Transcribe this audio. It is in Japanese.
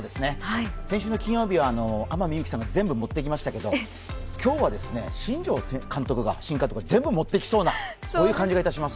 先週金曜日は天海祐希さんが全部持っていきましたけど、今日は新庄新監督が全部持っていきそうな感じがいたします。